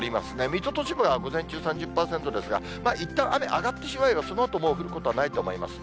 水戸と千葉が午前中、３０％ですが、いったん雨上がってしまえば、そのあと降ることはないと思います。